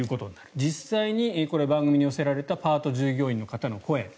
実際に、これは番組に寄せられたパート従業員の方の声。